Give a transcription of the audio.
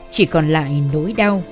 chỉ còn lại nỗi đau